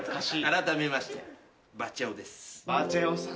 あらためましてバチェ男です。